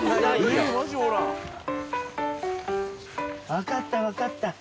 分かった分かった。